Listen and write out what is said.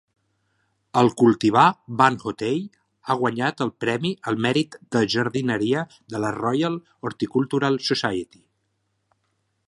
El cultivar "Van-Houttei" ha guanyat el premi al mèrit de jardineria de la Royal Horticultural Society.